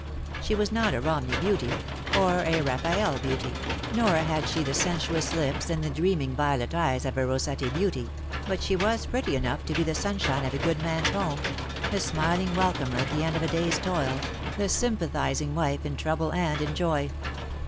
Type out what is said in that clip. She was not a Romney beauty, or a Raphael beauty, nor had she the sensuous lips and the dreaming violet eyes of a Rossetti beauty, but she was pretty enough to be the sunshine of a good man's home, the smiling welcomer at the end of a day's toil, the sympathising wife in trouble and in joy.